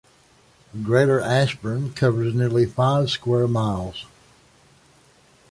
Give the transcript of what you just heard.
Greater Ashburn covers nearly five square miles.